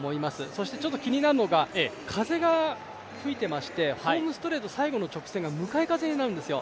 そしてちょっと気になるのが、風が吹いていまして、ホームストレート、最後の直線が向かい風になるんですよ。